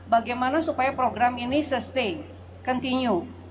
bagaimana supaya program ini sustain continue